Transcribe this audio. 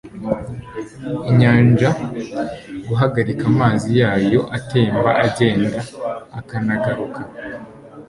inyanja guhagarika amazi yayo atemba agenda akanagaruka?